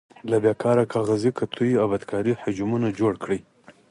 له بې کاره کاغذي قطیو ابتکاري حجمونه جوړ کړئ.